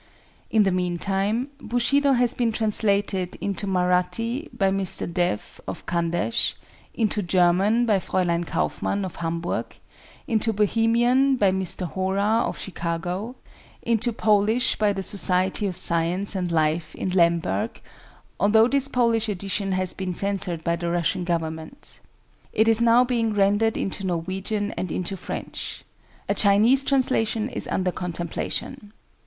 In the meantime, Bushido has been translated into Mahratti by Mr. Dev of Khandesh, into German by Fräulein Kaufmann of Hamburg, into Bohemian by Mr. Hora of Chicago, into Polish by the Society of Science and Life in Lemberg,—although this Polish edition has been censured by the Russian Government. It is now being rendered into Norwegian and into French. A Chinese translation is under contemplation.